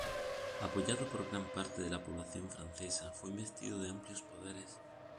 Apoyado por gran parte de la población francesa, fue investido de amplios poderes.